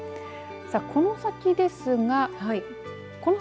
さあ、この先ですがはい。